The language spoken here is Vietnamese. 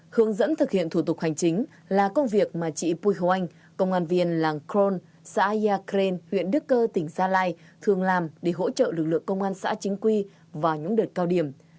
hướng dẫn thực hiện thủ tục hành chính là công việc mà chị pui hồ anh công an viên làng kron xã aya kren huyện đức cơ tỉnh gia lai thường làm để hỗ trợ lực lượng công an xã chính quy và nhũng đợt cao điểm